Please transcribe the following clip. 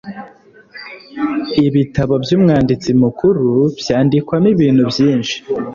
ibitabo by'umwanditsi mukuru byandikwamo ibintu byinshi